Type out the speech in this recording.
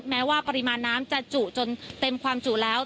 แม้ว่าปริมาณน้ำจะจุจนเต็มความจุแล้ว